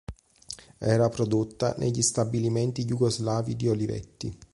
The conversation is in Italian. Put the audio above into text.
Era prodotta negli stabilimenti jugoslavi di Olivetti.